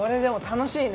楽しい。